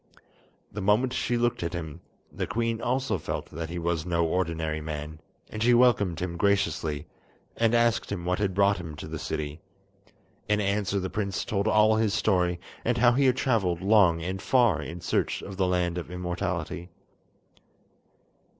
The moment she looked at him, the queen also felt that he was no ordinary man, and she welcomed him graciously, and asked him what had brought him to the city. In answer the prince told all his story, and how he had travelled long and far in search of the Land of Immortality.